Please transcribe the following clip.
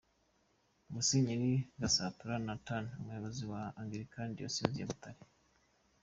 Musenyeri Gasatura Nathan umuyobozi wa Angilikani Diyosezi ya Butare.